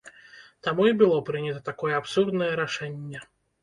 Таму і было прынята такое абсурднае рашэнне.